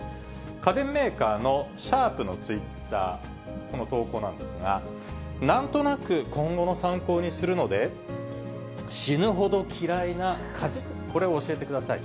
家電メーカーのシャープのツイッター、この投稿なんですが、なんとなく今後の参考にするので、死ぬほど嫌いな家事、これを教えてください。